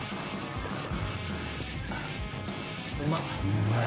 うんまい。